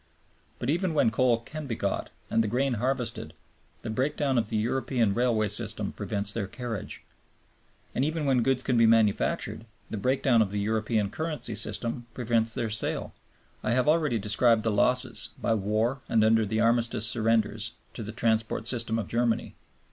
But even when coal can be got and grain harvested, the breakdown of the European railway system prevents their carriage; and even when goods can be manufactured, the breakdown of the European currency system prevents their sale. I have already described the losses, by war and under the Armistice surrenders, to the transport system of Germany.